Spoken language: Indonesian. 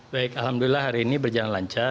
baik alhamdulillah hari ini berjalan lancar